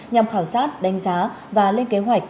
nhằm khảo sát đánh giá và lên kế hoạch